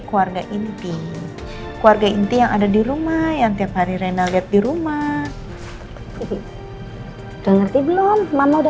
keluarga inti keluarga inti yang ada di rumah yang tiap hari rena lihat di rumah udah ngerti belum mama udah